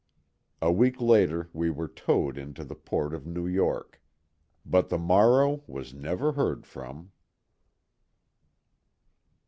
A week later we were towed into the port of New York. But the Morrow was never heard from.